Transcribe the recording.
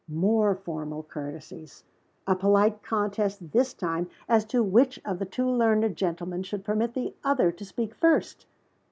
More formal courtesies! a polite contest this time as to which of the two learned gentlemen should permit the other to speak first!